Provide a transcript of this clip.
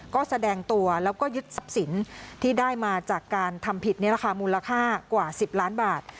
ก็แสดงตัวแล้วก็ยึดทรัพย์สินที่ได้มาจากการทำผิดในราคามูลค่ากว่า๑๐ล้านบาท